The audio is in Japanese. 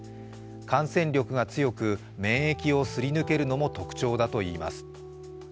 感染力が強く免疫をすり抜けるのも特徴だといいます。